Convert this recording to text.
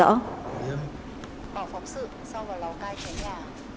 bảo phóng sự sau vào lò cai tránh nhà